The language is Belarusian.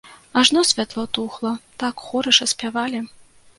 Ажно святло тухла, так хораша спявалі.